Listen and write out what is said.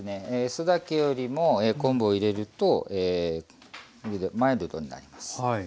酢だけよりも昆布を入れるとマイルドになります。